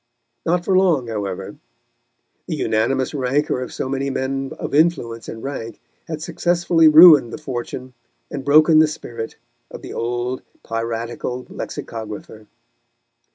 Not for long, however; the unanimous rancour of so many men of influence and rank had successfully ruined the fortune and broken the spirit of the old piratical lexicographer.